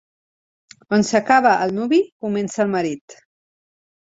On s'acaba el nuvi, comença el marit.